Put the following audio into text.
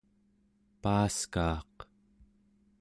Paaskaaq